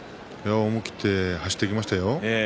思い切って走っていきましたよ。